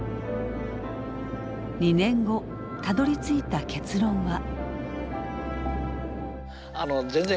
２年後たどりついた結論は。